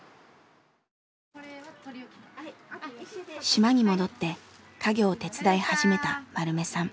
島に戻って家業を手伝い始めた丸目さん。